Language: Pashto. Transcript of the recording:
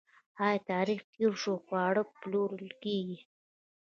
آیا تاریخ تیر شوي خواړه پلورل کیږي؟